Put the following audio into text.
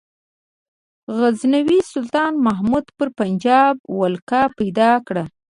غزنوي سلطان محمود پر پنجاب ولکه پیدا کړه.